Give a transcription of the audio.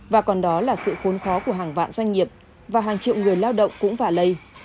và còn đó là sự khốn khó của hàng vạn doanh nghiệp và hàng triệu người lao động cũng và lây